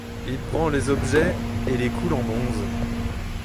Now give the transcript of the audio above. Il prend les objets et les coule en bronze.